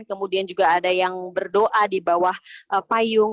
kemudian juga ada yang berdoa di bawah payung